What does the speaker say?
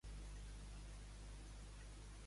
Però la base no vol això que fan els partits actualment.